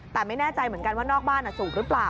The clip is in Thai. แต่ไม่แน่ใจเหมือนกันว่านอกบ้านสูบหรือเปล่า